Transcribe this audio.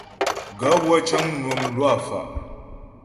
Gaə̂ wə́ cə́ŋ mnwə mlwâ fá'.